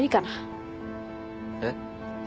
えっ？